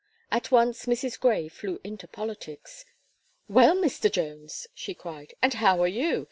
At once Mrs. Gray flew into politics. "Well, Mr. Jones," she cried, "and how are you?